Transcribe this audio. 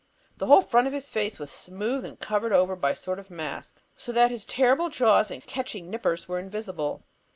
The whole front of his face was smooth and covered over by a sort of mask, so that his terrible jaws and catching nippers were invisible.